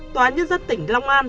tòa nhân dân tỉnh long an